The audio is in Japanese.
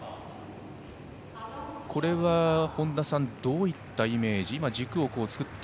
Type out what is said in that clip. これは本田さん、どういったイメージでしょうか。